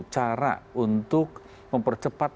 cara untuk mempercepat